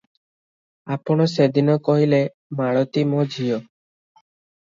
ଆପଣ ସେ ଦିନ କହିଲେ, ମାଳତୀ ମୋ ଝିଅ ।